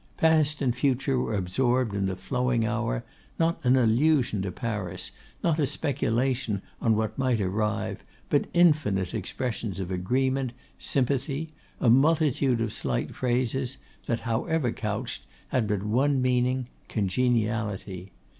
Past and Future were absorbed in the flowing hour; not an allusion to Paris, not a speculation on what might arrive; but infinite expressions of agreement, sympathy; a multitude of slight phrases, that, however couched, had but one meaning, congeniality.